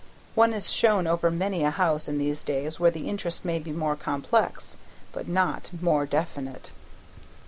One is shown over many a house in these days where the interest may be more complex, but not more definite.